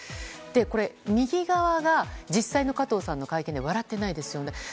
これ、右側が実際の加藤さんの会見で笑っていないですよね。